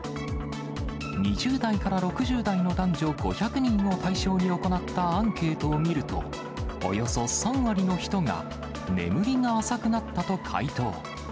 ２０代から６０代の男女５００人を対象に行ったアンケートを見ると、およそ３割の人が、眠りが浅くなったと回答。